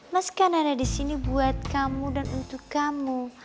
mas kan ada di sini buat kamu dan untuk kamu